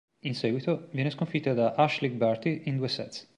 In seguito, viene sconfitta da Ashleigh Barty in due sets.